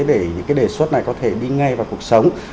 để những cái đề xuất này có thể đi ngay vào cuộc sống